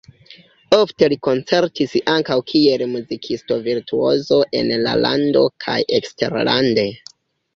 Ofte li koncertis ankaŭ kiel muzikisto-virtuozo en la lando kaj eksterlande.